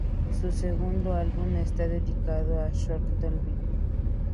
Su segundo álbum está dedicado a Shostakovich.